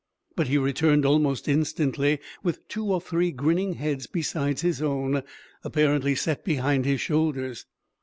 But he returned almost instantly, with two or three grinning heads besides his own, apparently set behind his shoulders.